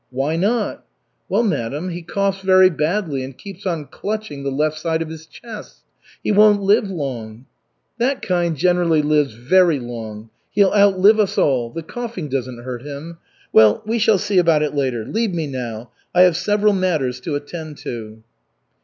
"Why not?" "Well, madam, he coughs very badly and keeps on clutching the left side of his chest. He won't live long." "That kind generally lives very long. He'll outlive us all. The coughing doesn't hurt him. Well, we shall see about it later. Leave me now. I have several matters to attend to."